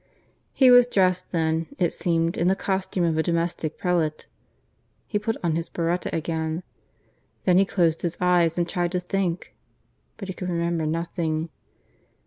He was dressed then, it seemed, in the costume of a Domestic Prelate. He put on his biretta again. Then he closed his eyes and tried to think; but he could remember nothing.